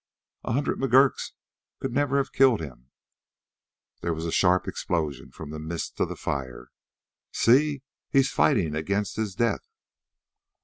"A hundred McGurks could never have killed him!" There was a sharp explosion from the midst of the fire. "See! He's fighting against his death!"